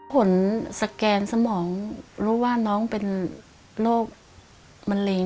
สแกนสมองรู้ว่าน้องเป็นโรคมะเร็ง